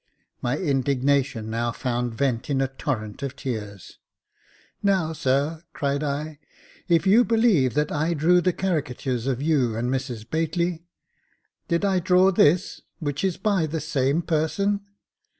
My indignation now found vent in a torrent of tears. " Now, sir," cried I, " if you believe that I drew the caricatures of you and Mrs Bately — did I draw this, which Jacob Faithful 41 is by the same person